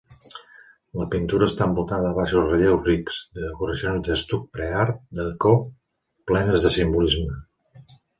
La pintura està envoltada de baixos relleus rics, decoracions d'estuc pre-art déco plenes de simbolisme.